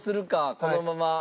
このまま。